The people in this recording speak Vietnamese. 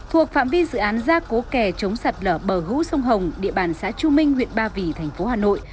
thuộc phạm vi dự án ra cố kè chống sạt lở bờ hữu sông hồng địa bàn xã chu minh huyện ba vì thành phố hà nội